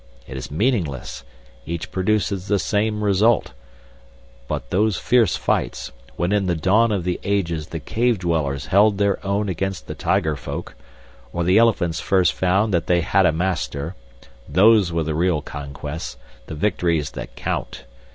It is meaningless. Each produces the same result. But those fierce fights, when in the dawn of the ages the cave dwellers held their own against the tiger folk, or the elephants first found that they had a master, those were the real conquests the victories that count.